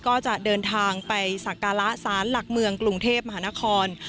ก็จะเดินทางไปสักการะสารหลักเมืองกรุงเทพมหานคร